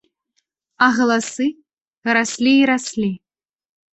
А галасы раслі і раслі.